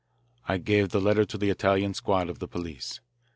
I gave the letter to the Italian Squad of the police.